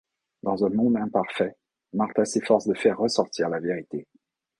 Dans un monde imparfait, Martha s'efforce de faire ressortir la vérité.